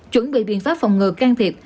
chuẩn bị biện pháp phòng ngừa can thiệp